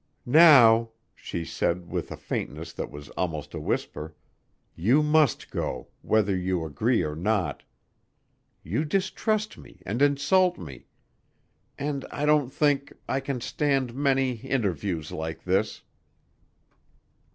"Now," she said with a faintness that was almost a whisper, "you must go, whether you agree or not. You distrust me and insult me ... and I don't think ... I can stand many ... interviews like this."